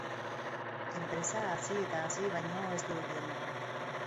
Enpresa hazi eta hazi baino ez du egin.